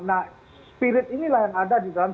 nah spirit inilah yang ada di dalam